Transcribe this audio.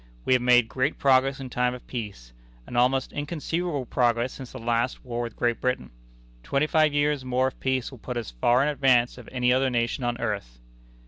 We have made great progress in time of peace an almost inconceivable progress since the last war with Great Britain. Twenty five years more of peace will put us far in advance of any other nation on earth."